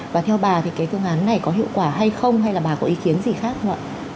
và theo bà thì cái phương án này có hiệu quả hay không hay là bà có ý kiến gì khác không ạ